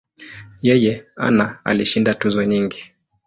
Yeye ana alishinda tuzo nyingi.